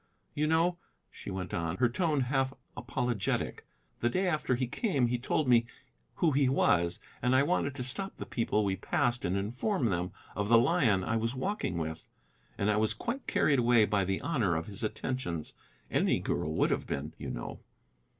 "You know," she went on, her tone half apologetic, "the day after he came he told me who he was, and I wanted to stop the people we passed and inform them of the lion I was walking with. And I was quite carried away by the honor of his attentions: any girl would have been, you know."